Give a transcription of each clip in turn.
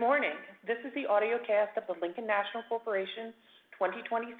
Good morning. This is the audiocast of the Lincoln National Corporation 2026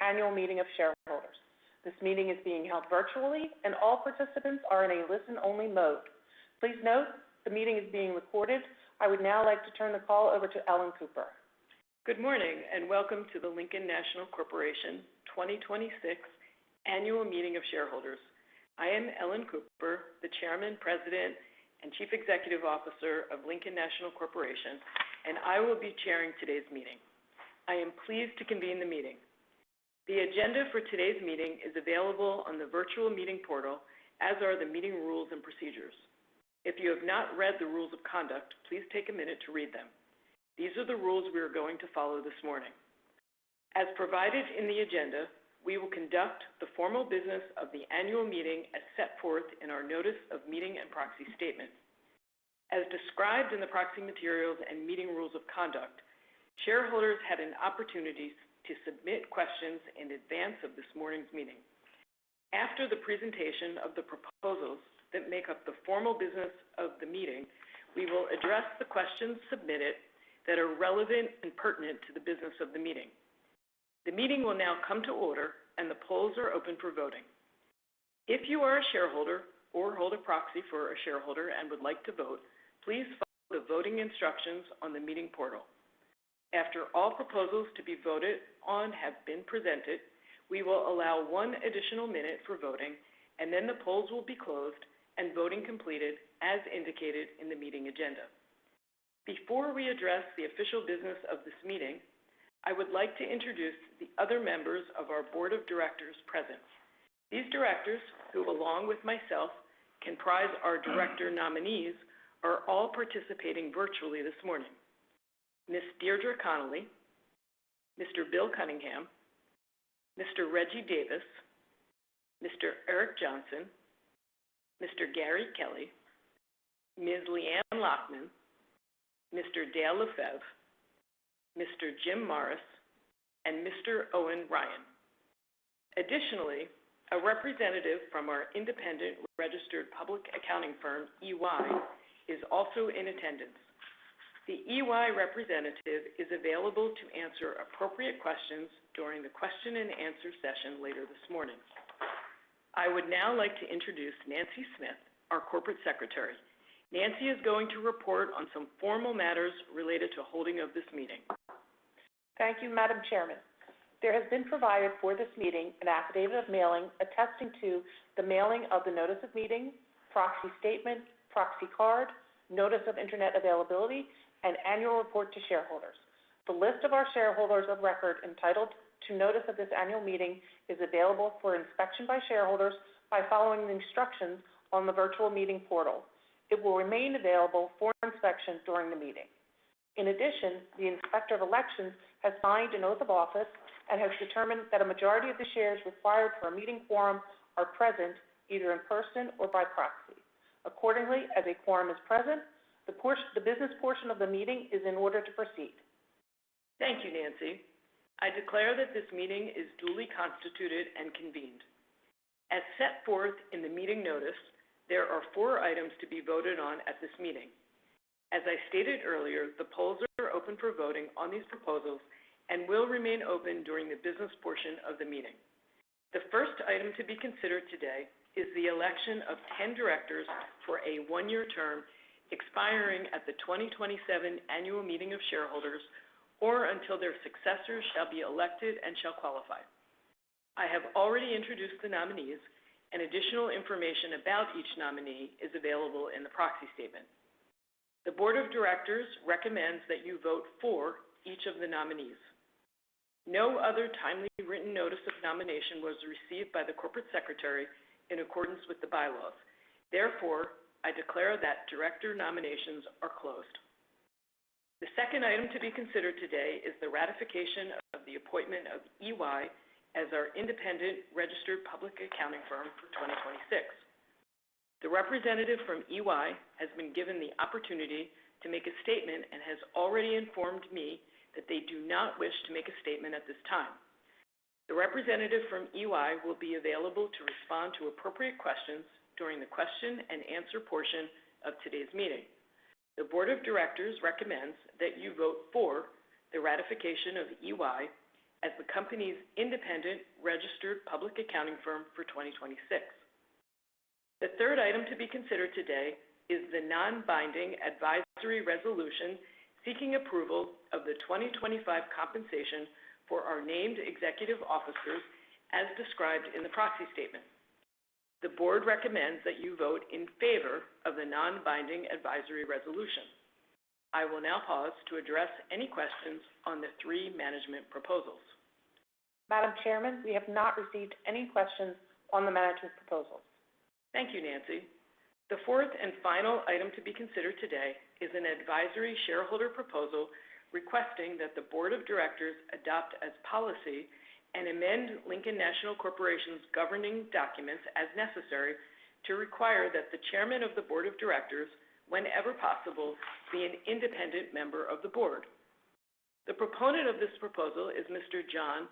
Annual Meeting of Shareholders. This meeting is being held virtually and all participants are in a listen-only mode. Please note, the meeting is being recorded. I would now like to turn the call over to Ellen Cooper. Good morning. Welcome to the Lincoln National Corporation 2026 Annual Meeting of Shareholders. I am Ellen Cooper, the Chairman, President, and Chief Executive Officer of Lincoln National Corporation, and I will be chairing today's meeting. I am pleased to convene the meeting. The agenda for today's meeting is available on the virtual meeting portal, as are the meeting rules and procedures. If you have not read the rules of conduct, please take a minute to read them. These are the rules we are going to follow this morning. As provided in the agenda, we will conduct the formal business of the annual meeting as set forth in our notice of meeting and proxy statement. As described in the proxy materials and meeting rules of conduct, shareholders had an opportunity to submit questions in advance of this morning's meeting. After the presentation of the proposals that make up the formal business of the meeting, we will address the questions submitted that are relevant and pertinent to the business of the meeting. The meeting will now come to order, and the polls are open for voting. If you are a shareholder or hold a proxy for a shareholder and would like to vote, please follow the voting instructions on the meeting portal. After all proposals to be voted on have been presented, we will allow one additional minute for voting, and then the polls will be closed, and voting completed as indicated in the meeting agenda. Before we address the official business of this meeting, I would like to introduce the other members of our board of directors present. These directors, who along with myself comprise our director nominees, are all participating virtually this morning. Ms. Deirdre Connelly, Mr. Bill Cunningham, Mr. Reggie Davis, Mr. Eric Johnson, Mr. Gary Kelly, Ms. Leanne Lachman, Mr. Dale LeFebvre, Mr. Jim Morris, and Mr. Owen Ryan. Additionally, a representative from our independent registered public accounting firm, EY, is also in attendance. The EY representative is available to answer appropriate questions during the question and answer session later this morning. I would now like to introduce Nancy Smith, our Corporate Secretary. Nancy is going to report on some formal matters related to holding of this meeting. Thank you, Madam Chairman. There has been provided for this meeting an affidavit of mailing attesting to the mailing of the notice of meeting, proxy statement, proxy card, notice of internet availability, and annual report to shareholders. The list of our shareholders of record entitled to notice of this annual meeting is available for inspection by shareholders by following the instructions on the virtual meeting portal. It will remain available for inspection during the meeting. In addition, the inspector of elections has signed an oath of office and has determined that a majority of the shares required for a meeting forum are present either in person or by proxy. Accordingly, as a forum is present, the business portion of the meeting is in order to proceed. Thank you, Nancy. I declare that this meeting is duly constituted and convened. As set forth in the meeting notice, there are four items to be voted on at this meeting. As I stated earlier, the polls are open for voting on these proposals and will remain open during the business portion of the meeting. The first item to be considered today is the election of 10 directors for a one-year term expiring at the 2027 annual meeting of shareholders, or until their successors shall be elected and shall qualify. I have already introduced the nominees, and additional information about each nominee is available in the proxy statement. The board of directors recommends that you vote for each of the nominees. No other timely written notice of nomination was received by the corporate secretary in accordance with the bylaws. Therefore, I declare that director nominations are closed. The second item to be considered today is the ratification of the appointment of EY as our independent registered public accounting firm for 2026. The representative from EY has been given the opportunity to make a statement and has already informed me that they do not wish to make a statement at this time. The representative from EY will be available to respond to appropriate questions during the question and answer portion of today's meeting. The board of directors recommends that you vote for the ratification of EY as the company's independent registered public accounting firm for 2026. The third item to be considered today is the non-binding advisory resolution seeking approval of the 2025 compensation for our named executive officers as described in the proxy statement. The board recommends that you vote in favor of the non-binding advisory resolution. I will now pause to address any questions on the three management proposals. Madam Chairman, we have not received any questions on the management proposals. Thank you, Nancy. The fourth and final item to be considered today is an advisory shareholder proposal requesting that the board of directors adopt as policy and amend Lincoln National Corporation's governing documents as necessary to require that the chairman of the board of directors, whenever possible, be an independent member of the board. The proponent of this proposal is Mr. John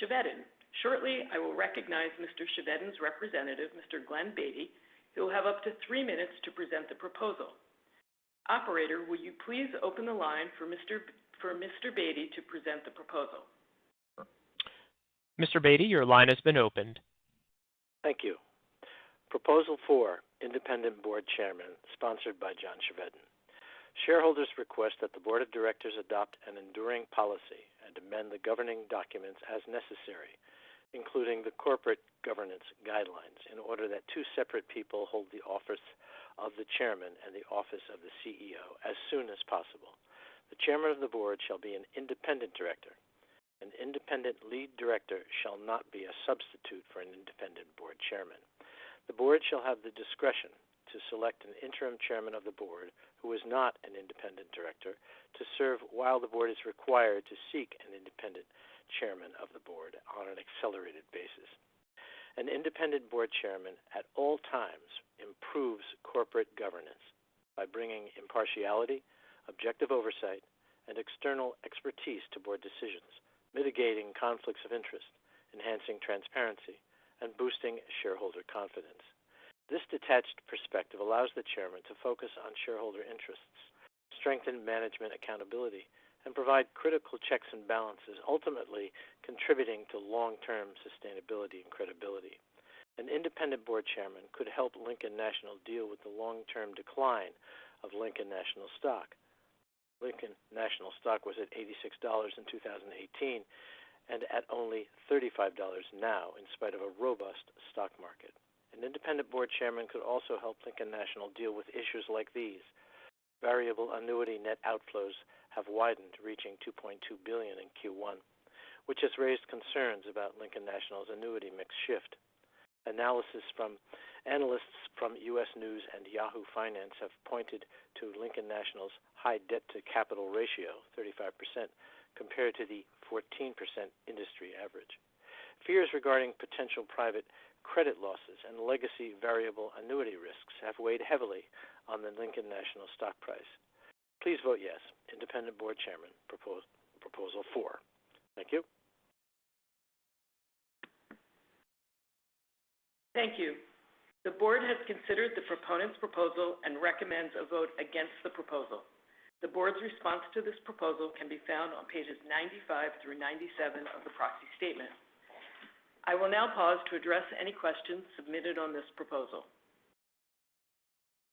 Chevedden. Shortly, I will recognize Mr. Chevedden's representative, Mr. Glenn Beatty, who will have up to three minutes to present the proposal. Operator, will you please open the line for Mr. Beatty to present the proposal? Mr. Beatty, your line has been opened. Thank you. Proposal four, independent board chairman, sponsored by John Chevedden. Shareholders request that the board of directors adopt an enduring policy and amend the governing documents as necessary, including the corporate governance guidelines, in order that two separate people hold the office of the chairman and the office of the CEO as soon as possible. The chairman of the board shall be an independent director. An independent lead director shall not be a substitute for an independent board chairman. The board shall have the discretion to select an interim chairman of the board, who is not an independent director, to serve while the board is required to seek an independent chairman of the board on an accelerated basis. An independent board chairman, at all times, improves corporate governance by bringing impartiality, objective oversight, and external expertise to board decisions, mitigating conflicts of interest, enhancing transparency, and boosting shareholder confidence. This detached perspective allows the chairman to focus on shareholder interests, strengthen management accountability, and provide critical checks and balances, ultimately contributing to long-term sustainability and credibility. An independent board chairman could help Lincoln National deal with the long-term decline of Lincoln National stock. Lincoln National stock was at $86 in 2018 and at only $35 now, in spite of a robust stock market. An independent board chairman could also help Lincoln National deal with issues like these. Variable annuity net outflows have widened, reaching $2.2 billion in Q1, which has raised concerns about Lincoln National's annuity mix shift. Analysis from analysts from U.S. News and Yahoo Finance have pointed to Lincoln National's high debt-to-capital ratio, 35%, compared to the 14% industry average. Fears regarding potential private credit losses and legacy variable annuity risks have weighed heavily on the Lincoln National stock price. Please vote yes, independent board chairman, Proposal four. Thank you. Thank you. The board has considered the proponent's proposal and recommends a vote against the proposal. The board's response to this proposal can be found on pages 95 through 97 of the proxy statement. I will now pause to address any questions submitted on this proposal.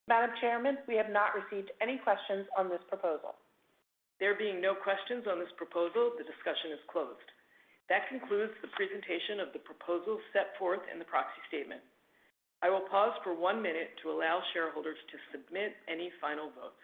Madam Chairman, we have not received any questions on this proposal. There being no questions on this proposal, the discussion is closed. That concludes the presentation of the proposals set forth in the proxy statement. I will pause for one minute to allow shareholders to submit any final votes.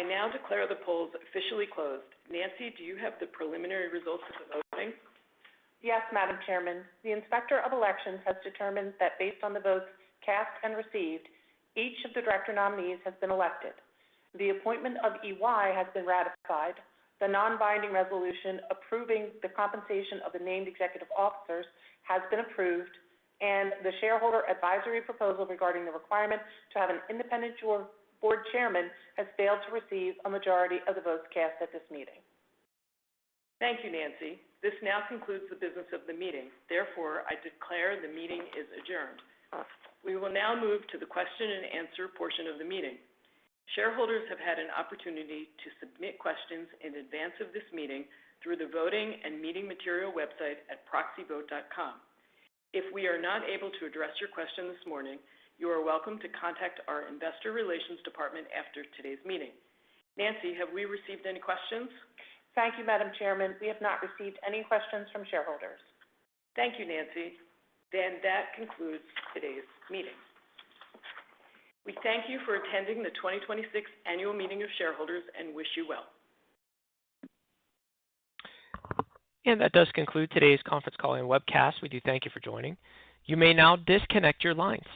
I now declare the polls officially closed. Nancy, do you have the preliminary results of the voting? Yes, Madam Chairman. The Inspector of Elections has determined that based on the votes cast and received, each of the director nominees has been elected. The appointment of EY has been ratified. The non-binding resolution approving the compensation of the named executive officers has been approved. The shareholder advisory proposal regarding the requirement to have an independent board chairman has failed to receive a majority of the votes cast at this meeting. Thank you, Nancy. This now concludes the business of the meeting. I declare the meeting is adjourned. We will now move to the question and answer portion of the meeting. Shareholders have had an opportunity to submit questions in advance of this meeting through the voting and meeting material website at proxyvote.com. If we are not able to address your question this morning, you are welcome to contact our investor relations department after today's meeting. Nancy, have we received any questions? Thank you, Madam Chairman. We have not received any questions from shareholders. Thank you, Nancy. That concludes today's meeting. We thank you for attending the 2026 annual meeting of shareholders and wish you well. That does conclude today's conference call and webcast. We do thank you for joining. You may now disconnect your lines.